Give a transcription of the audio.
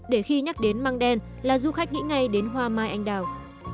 để khi nhắc đến măng đen là du khách nghĩ ngay đến hoa mai anh đào